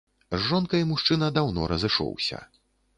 З жонкай мужчына даўно разышоўся.